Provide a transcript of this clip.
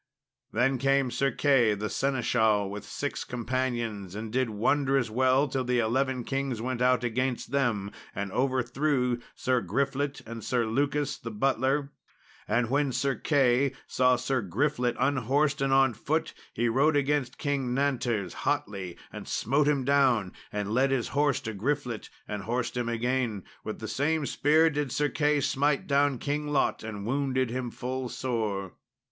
Then came Sir Key the seneschal with six companions, and did wondrous well, till the eleven kings went out against them and overthrew Sir Griflet and Sir Lucas the butler. And when Sir Key saw Sir Griflet unhorsed and on foot, he rode against King Nanters hotly and smote him down, and led his horse to Griflet and horsed him again; with the same spear did Sir Key smite down King Lot and wounded him full sore.